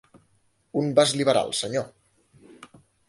Un vas liberal, senyor.